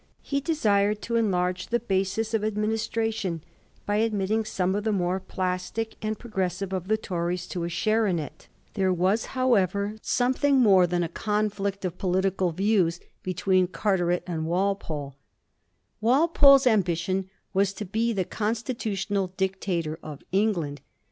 He desired to enlarge the basis of administration by admitting some of the more plaatic and progressive of the Tories to a share in it. There was, however, something more than a conflict Digiti zed by Google 310 A HISTORY OF THE FOUR GEORGES, ch. iiy. of political views between Carteret and Walpole. Walpole's ambition was to be the constitutional dic tator of England.